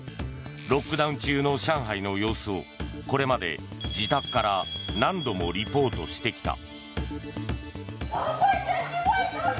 ロックダウン中の上海の様子をこれまで自宅から何度もリポートしてきた。